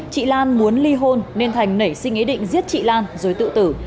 chị lan muốn ly hôn nên thành nảy sinh ý định giết chị lan rồi tự tử